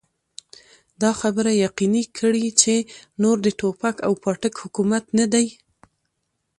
دا خبره يقيني کړي چې نور د ټوپک او پاټک حکومت نه دی.